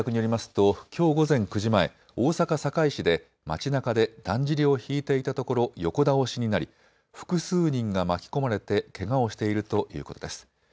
ときょう午前９時前、大阪堺市で町なかでだんじりを引いていたところ横倒しになり複数人が巻き込まれてけがをしているということです。